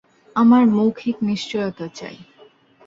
আমার মৌখিক নিশ্চয়তা চাই।